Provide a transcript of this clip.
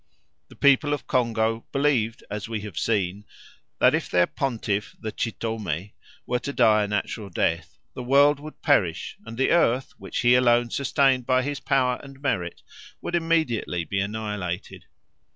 The people of Congo believed, as we have seen, that if their pontiff the Chitomé were to die a natural death, the world would perish, and the earth, which he alone sustained by his power and merit, would immediately be annihilated.